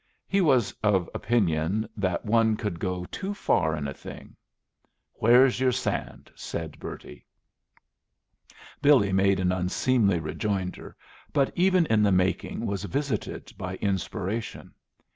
He was of opinion that one could go too far in a thing. "Where's your sand?" said Bertie. Billy made an unseemly rejoinder, but even in the making was visited by inspiration.